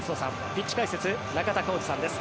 ピッチ解説、中田浩二さんです。